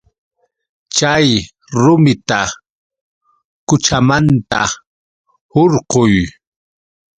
Chay rumita quchamanta hurquy.